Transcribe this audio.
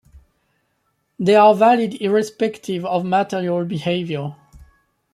They are valid irrespective of material behaviour.